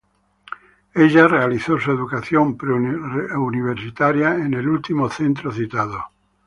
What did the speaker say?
Ella realizó su educación preuniversitaria en el último centro citado.